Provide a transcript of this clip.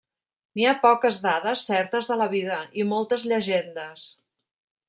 N'hi ha poques dades certes de la vida, i moltes llegendes.